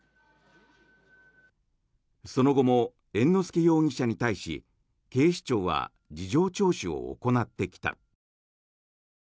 その後も猿之助容疑者に対し警視庁は事情聴取を行ってきた。